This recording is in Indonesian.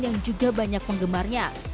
yang juga banyak penggemarnya